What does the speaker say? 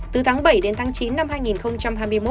từ tháng bảy đến tháng chín năm hai nghìn hai mươi một